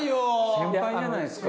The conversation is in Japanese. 先輩じゃないですか。